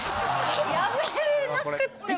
辞めなくっても。